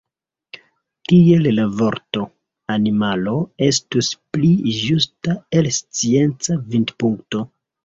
Tiel la vorto „animalo” estus pli ĝusta el scienca vidpunkto.